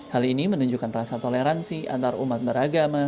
hal ini menunjukkan rasa toleransi antar umat beragama